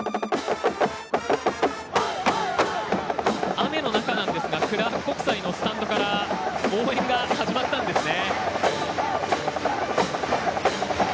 雨の中なんですがクラーク国際のスタンドから応援が始まったんですね。